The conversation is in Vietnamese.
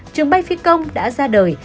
trường bay phi công đã ra đời